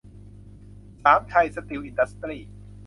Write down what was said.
สามชัย สตีล อินดัสทรี